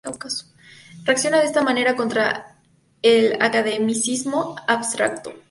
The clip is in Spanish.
Reacciona de esta manera contra el academicismo abstracto.